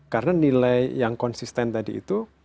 karena nilai yang konsisten tadi itu